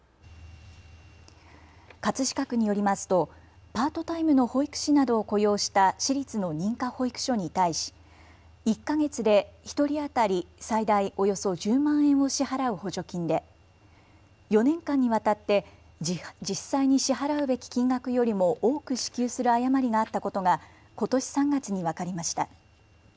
葛飾区によりますとパートタイムの保育士などを雇用した私立の認可保育所に対し、１か月で１人当たり最大およそ１０万円を支払う補助金で４年間にわたって実際に支払うべき金額よりも多く支給する誤りがあったことがことし３月に分かりました。